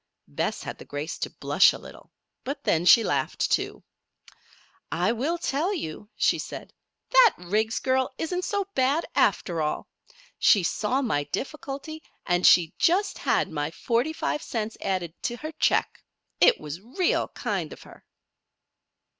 Bess had the grace to blush a little. But then she laughed, too. "I will tell you," she said. "That Riggs girl isn't so bad, after all. She saw my difficulty and she just had my forty five cents added to her check. It was real kind of her."